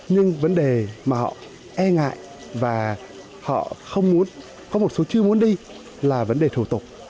nhưng vấn đề mà họ e ngại và họ không muốn có một số chưa muốn đi là vấn đề thủ tục